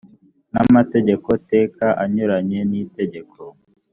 n amategeko teka anyuranye n itegeko